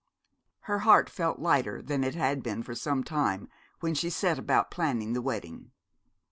Her heart felt lighter than it had been for some time when she set about planning the wedding.